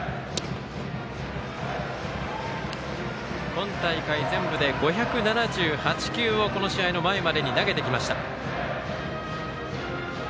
今大会、全部で５７８球をこの試合の前までに投げてきました。